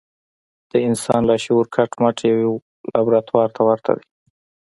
د انسان لاشعور کټ مټ يوې لابراتوار ته ورته دی.